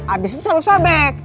abis itu selalu sobek